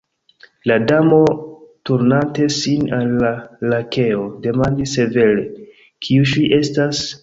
La Damo, turnante sin al la Lakeo, demandis severe: "Kiu ŝi estas?"